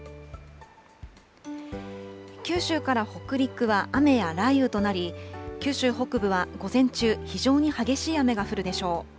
九州から北陸は雨や雷雨となり、九州北部は午前中、非常に激しい雨が降るでしょう。